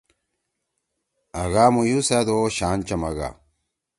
آگھا مُیو سأدو شان چمگا ۔